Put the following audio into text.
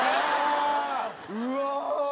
うわ！